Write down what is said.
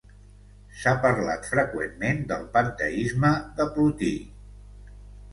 S'ha parlat freqüentment del panteisme de Plotí.